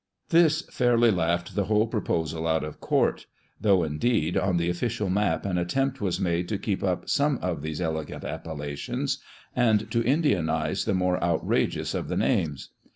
This fairly laughed the whole proposal out of court ; though, indeed, on the official map an attempt was made to keep up some of these elegant appellations, and to Indianise the more outrageous of the names.